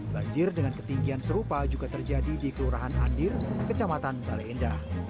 banjir dengan ketinggian serupa juga terjadi di kelurahan andir kecamatan baleendah